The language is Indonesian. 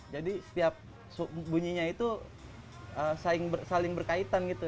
jadi setiap bunyinya itu saling berkaitan gitu